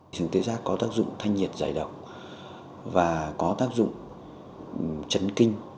thực tế ra có tác dụng thanh nhiệt giải động và có tác dụng chấn kinh